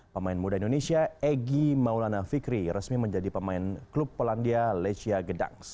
pemain muda indonesia egy maulana fikri resmi menjadi pemain klub polandia lecia gedangs